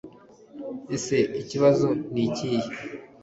ese ikibazo nikihe